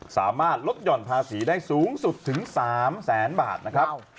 สามารถลดหย่อนภาษีได้สูงสุดถึง๓แสนบาทนะครับ